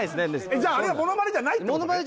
あれはモノマネじゃないってことね？